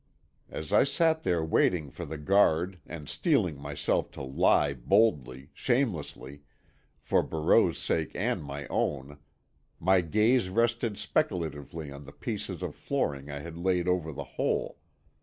As I sat there waiting for the guard and steeling myself to lie boldly, shamelessly, for Barreau's sake and my own, my gaze rested speculatively on the pieces of flooring I had laid over the hole.